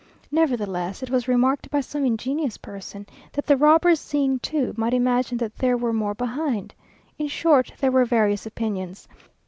Nevertheless it was remarked by some ingenious person, that the robbers seeing two, might imagine that there were more behind. In short there were various opinions.